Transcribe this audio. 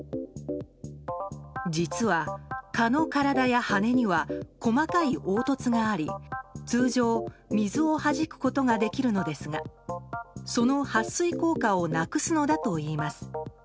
実は、蚊の体や羽には細かい凹凸があり通常、水をはじくことができるのですがその撥水効果をなくすのだといいます。